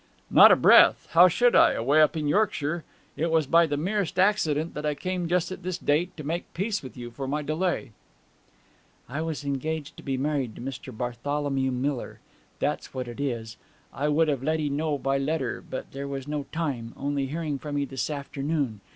'Not a breath how should I away up in Yorkshire? It was by the merest accident that I came just at this date to make peace with you for my delay.' 'I was engaged to be married to Mr. Bartholomew Miller. That's what it is! I would have let 'ee know by letter, but there was no time, only hearing from 'ee this afternoon